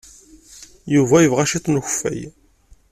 Yuba yebɣa cwiṭ n ukeffay.